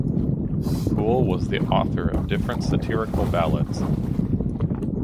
Poole was the author of different satirical ballads.